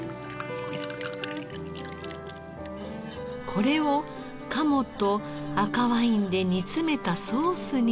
これを鴨と赤ワインで煮詰めたソースに合わせ。